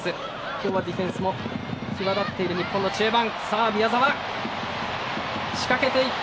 今日はディフェンスも際立っている日本の中盤。